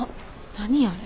何あれ。